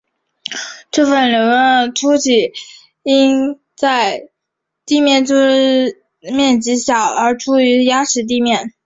这些瘤状突起因其与地面的接触面积小而有助于压实路面。